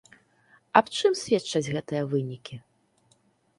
Аб чым сведчаць гэтыя вынікі?